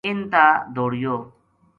اِنھ تا دوڑیو